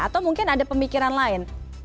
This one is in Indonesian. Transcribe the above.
atau mungkin ada pemikiran lain